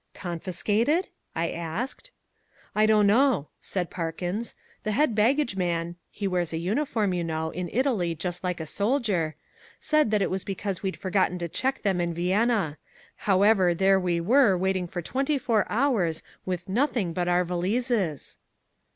"Confiscated?" I asked. "I don't know," said Parkins, "the head baggage man (he wears a uniform, you know, in Italy just like a soldier) said it was because we'd forgotten to check them in Vienna. However there we were waiting for twenty four hours with nothing but our valises."